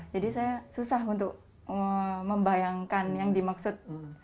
jadi saya susah untuk membayangkan yang dimaksud